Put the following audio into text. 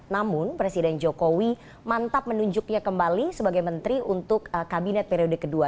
namun presiden jokowi mantap menunjuknya kembali sebagai menteri untuk kabinet periode kedua